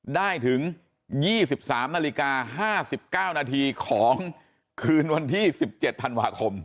ได้ถึง๒๓นาฬิกา๕๙นาทีของคืนวันที่๑๗ธันวาคม